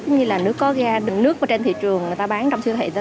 giống như là nước có ga nước trên thị trường người ta bán trong siêu thị